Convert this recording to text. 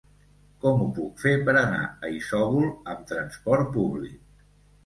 Com ho puc fer per anar a Isòvol amb trasport públic?